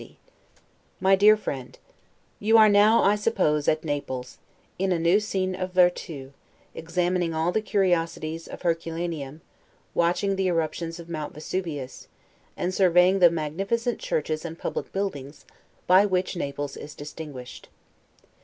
1750 MY DEAR FRIEND: You are now, I suppose, at Naples, in a new scene of 'Virtu', examining all the curiosities of Herculaneum, watching the eruptions of Mount Vesuvius, and surveying the magnificent churches and public buildings, by which Naples is distinguished.